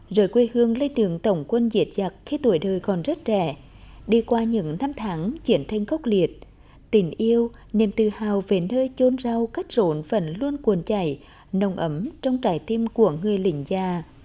rời quê hương lấy đường tổng quân diệt giặc khi tuổi đời còn rất trẻ đi qua những năm tháng triển thênh gốc liệt tình yêu niềm tự hào về nơi chôn rau cắt rộn vẫn luôn cuồn chảy nồng ấm trong trái tim của người lĩnh gia